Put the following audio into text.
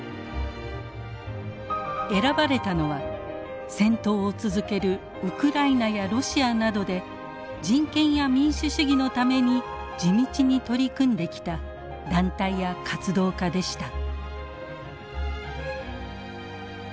選ばれたのは戦闘を続けるウクライナやロシアなどで人権や民主主義のために地道に取り組んできた団体や活動家でした。